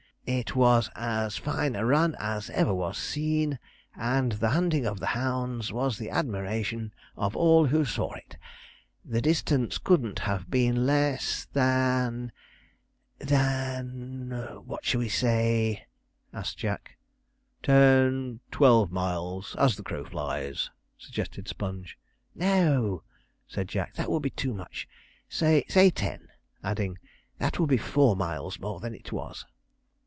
It was as fine a run as ever was seen, and the hunting of the hounds was the admiration of all who saw it. The distance couldn't have been less than" than what shall we say?' asked Jack. 'Ten, twelve miles, as the crow flies,' suggested Sponge. 'No,' said Jack,' that would be too much. Say ten'; adding, 'that will be four miles more than it was.'